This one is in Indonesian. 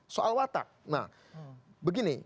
soal watak nah begini